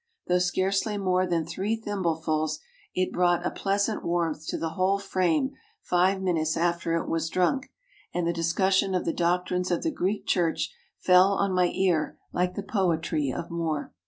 Though scarcely more than three thimblefuls, it brought a pleasant warmth to the whole frame five minutes after it was drunk, and the discussion of the doctrines of the Greek Church fell on my ear like the poetry of Moore.